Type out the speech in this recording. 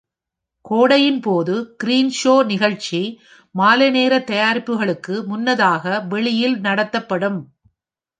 கோடையின் போது, கிரீன்ஷோ நிகழ்ச்சி மாலை நேர தயாரிப்புகளுக்கு முன்னதாக வெளியில் நடத்தப்படும்.